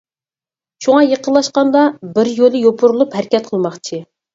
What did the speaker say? شۇڭا يېقىنلاشقاندا بىر يولى يوپۇرۇلۇپ ھەرىكەت قىلماقچى.